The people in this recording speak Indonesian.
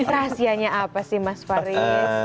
ini rahasianya apa sih mas faris